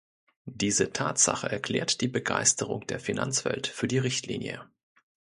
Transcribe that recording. Diese Tatsache erklärt die Begeisterung der Finanzwelt für die Richtlinie.